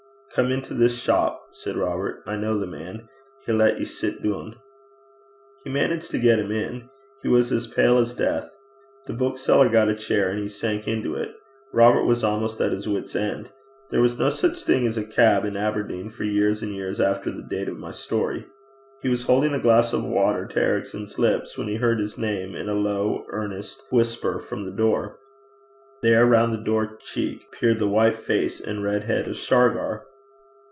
'Come into this shop,' said Robert. 'I ken the man. He'll lat ye sit doon.' He managed to get him in. He was as pale as death. The bookseller got a chair, and he sank into it. Robert was almost at his wit's end. There was no such thing as a cab in Aberdeen for years and years after the date of my story. He was holding a glass of water to Ericson's lips, when he heard his name, in a low earnest whisper, from the door. There, round the door cheek, peered the white face and red head of Shargar.